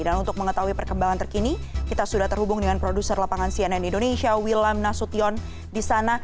dan untuk mengetahui perkembangan terkini kita sudah terhubung dengan produser lapangan cnn indonesia wilam nasution